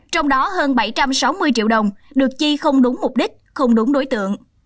trong đó hơn bảy trăm sáu mươi triệu đồng được chi không đúng mục đích không đúng đối tượng